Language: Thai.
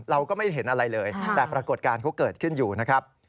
เราก็ไม่ได้เห็นอะไรเลยแต่ปรากฏการณ์เขาเกิดขึ้นอยู่นะครับ